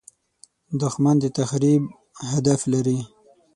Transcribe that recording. دښمن د تخریب هدف لري